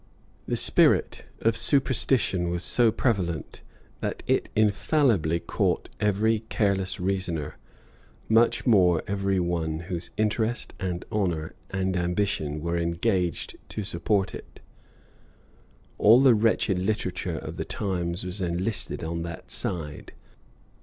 The spirit of superstition was so prevalent, that it infallibly caught every careless reasoner, much more every one whose interest, and honor, and ambition were engaged to support it. All the wretched literature of the times was enlisted on that side.